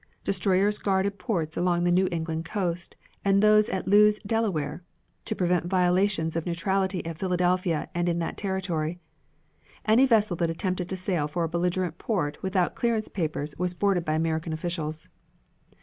Destroyers guarded ports along the New England coast and those at Lewes, Del., to prevent violations of neutrality at Philadelphia and in that territory. Any vessel that attempted to sail for a belligerent port without clearance papers was boarded by American officials.